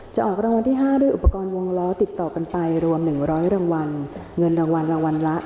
ออกรางวัลที่๕ด้วยอุปกรณ์วงล้อติดต่อกันไปรวม๑๐๐รางวัลเงินรางวัลรางวัลละ